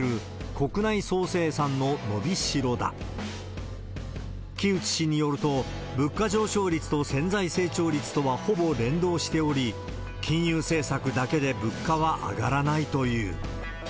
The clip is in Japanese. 木内氏によると、物価上昇率と潜在成長率とはほぼ連動しており、金融政策だけで物価は上がらないという。